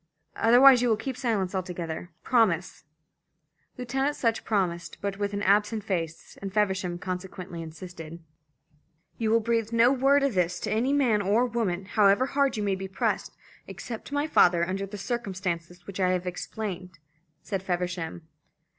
Otherwise you will keep silence altogether. Promise!" Lieutenant Sutch promised, but with an absent face, and Feversham consequently insisted. "You will breathe no word of this to man or woman, however hard you may be pressed, except to my father under the circumstances which I have explained," said Feversham.